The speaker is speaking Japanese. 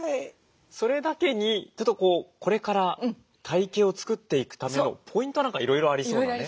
それだけにちょっとこれから体形を作っていくためのポイントなんかいろいろありそうなね。